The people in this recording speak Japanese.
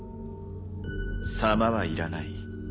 「さま」はいらない。